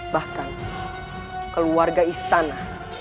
bahkan keluarga istana